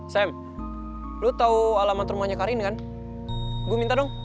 sam lo tau alamat rumahnya karin kan gue minta dong